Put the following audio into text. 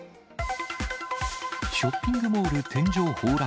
ショッピングモール天井崩落。